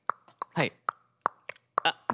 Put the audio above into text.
はい。